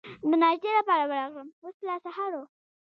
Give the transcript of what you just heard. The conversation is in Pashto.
د ناشتې لپاره ورغلم، اوس لا سهار و.